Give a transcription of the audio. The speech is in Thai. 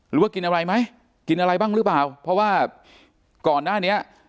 หรือว่ากินอะไรไหมกินอะไรบ้างหรือเปล่าเพราะว่าก่อนหน้านี้